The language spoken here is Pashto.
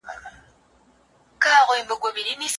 صبر کول د کورنۍ د پلار یوه ځانګړتیا ده.